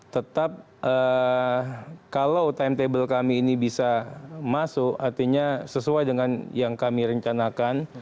tetap kalau timetable kami ini bisa masuk artinya sesuai dengan yang kami rencanakan